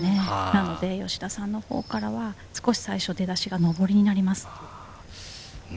なので吉田さんのほうからは少し最初、出だしが上りになります。